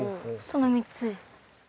その３つ。